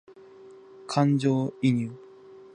感情移入